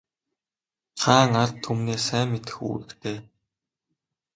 Хаан ард түмнээ сайн мэдэх үүрэгтэй.